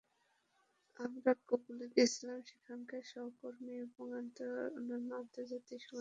আমরা কাবুল গিয়েছিলাম সেখানকার সহকর্মীদের এবং অন্যান্য আন্তর্জাতিক সংস্থার কর্মীদের প্রশিক্ষণ দিতে।